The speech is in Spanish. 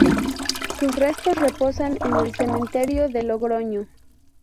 Sus restos reposan en el cementerio de Logroño.